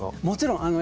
もちろん。